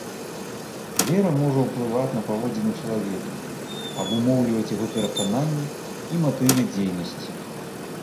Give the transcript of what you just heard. Вера можа ўплываць на паводзіны чалавека, абумоўліваць яго перакананні і матывы дзейнасці.